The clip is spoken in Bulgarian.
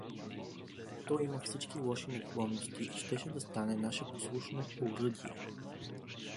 То има всчки лоши наклонности и щеше да стане наше послушно оръдие.